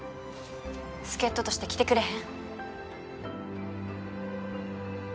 助っ人として来てくれへん？